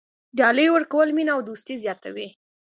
ډالۍ ورکول مینه او دوستي زیاتوي.